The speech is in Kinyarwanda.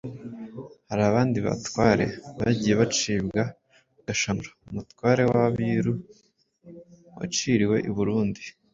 Hari abandi batware bagiye bacibwa: Gashamura, umutware w'Abiru waciriwe i Burundi